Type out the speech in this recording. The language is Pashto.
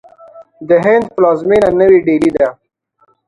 د هند پلازمینه نوی ډهلي ده.